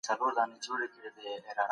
درنو دوستانو